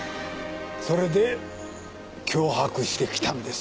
それで脅迫してきたんですね。